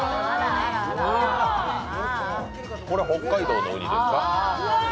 これは北海道のうにですか。